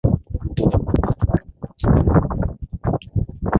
Mtu ni moyo asadi, asoonewa na mtu